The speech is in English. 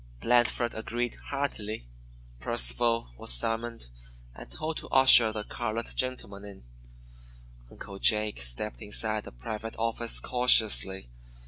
Blandford agreed heartily. Percival was summoned, and told to usher the "colored gentleman" in. Uncle Jake stepped inside the private office cautiously.